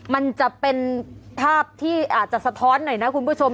มันจะเป็นภาพที่อาจจะสะท้อนหน่อยนะคุณผู้ชม